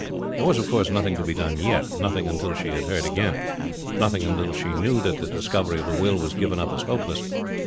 There was of course nothing to be done yet. Nothing until she heard again. Nothing until she knew that the discovery of the will was given up as hopeless.